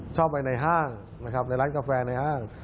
ชอบไปในห้างนะครับในร้านกาแฟในห้าง